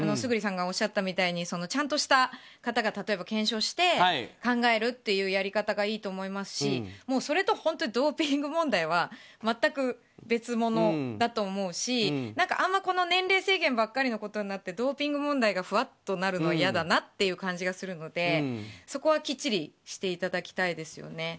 村主さんがおっしゃったみたいにちゃんとした方が検証して考えるというやり方がいいと思いますしそれと本当、ドーピング問題は全く別物だと思うしあんまり年齢制限のことばかりになってドーピング問題がふわっとなるのは嫌だなって感じがするのでそこはきっちりしていただきたいですよね。